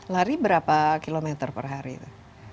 lari berapa kilometer per hari itu